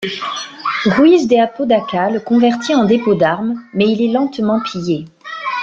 Ruiz de Apodaca le convertit en dépôt d'armes mais il est lentement pillé.